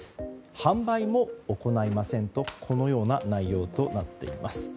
販売も行いませんとこのような内容となっています。